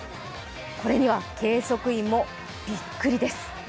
これには計測員もびっくりです。